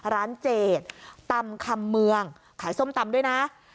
เจดตำคำเมืองขายส้มตำด้วยนะ